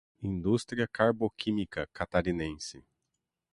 Indústria Carboquímica Catarinense